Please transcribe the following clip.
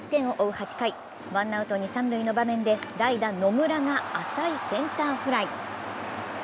８回、ワンアウト二・三塁の場面で代打・野村が浅いセンターフライ。